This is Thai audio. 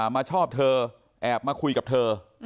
มาชอบเธอแอบมาคุยกับเธอ